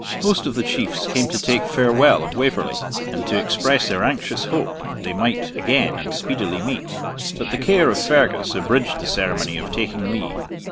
Most of the Chiefs came to take farewell of Waverley, and to express their anxious hope they might again, and speedily, meet; but the care of Fergus abridged the ceremony of taking leave.